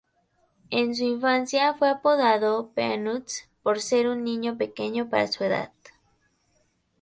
En su infancia fue apodado "Peanuts" por ser un niño pequeño para su edad.